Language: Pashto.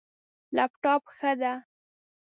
لپټاپ، ښه ده